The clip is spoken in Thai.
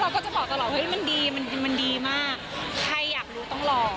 เราก็จะบอกตลอดว่ามันดีมากใครอยากรู้ต้องบอก